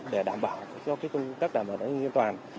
để đảm bảo cho công tác đảm bảo an ninh an toàn